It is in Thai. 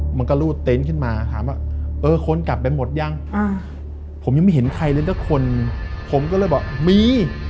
มันก็รูดเต็นต์ขึ้นมาถามว่าเออคนกลับไปหมดยังผมยังไม่เห็นใครเลยสักคนผมก็เลยบอกมี